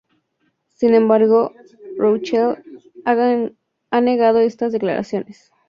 Sin embargo, Rochelle ha negado estas declaraciones.